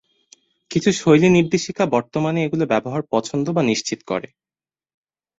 কিছু শৈলী নির্দেশিকা বর্তমানে এগুলো ব্যবহার পছন্দ বা নিশ্চিত করে।